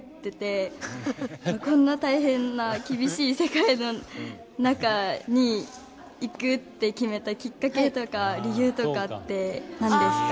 こんな大変な厳しい世界の中にいくって決めたきっかけとか理由とかって何ですか？